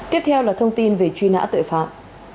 tiếp theo là thông tin về truy nã tội phạm